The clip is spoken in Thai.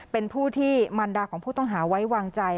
เป็นผู้ที่มันดาของผู้ต้องหาไว้วางใจ